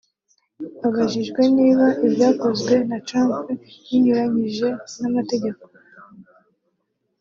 Abajijwe niba ibyakozwe na Trump binyuranyije n’amategeko